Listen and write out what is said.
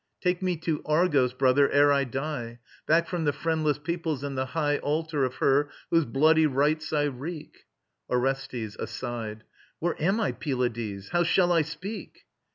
"Take me to Argos, brother, ere I die, Back from the Friendless Peoples and the high Altar of Her whose bloody rites I wreak." ORESTES (ASIDE). Where am I, Pylades? How shall I speak?